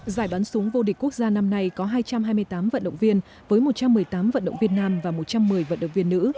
giải bắn súng vô địch quốc gia năm nay có hai trăm hai mươi tám vận động viên với một trăm một mươi tám vận động viên nam và một trăm một mươi vận động viên nữ